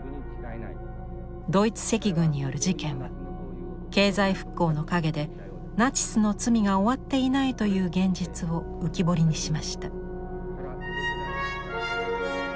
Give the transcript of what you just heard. ドイツ赤軍による事件は経済復興の陰でナチスの罪が終わっていないという現実を浮き彫りにしました。